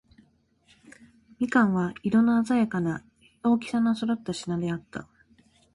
蜜柑は、色のあざやかな、大きさの揃った品であった。